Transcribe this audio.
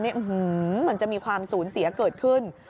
มันจะมีความสูญเสียเกิดขึ้น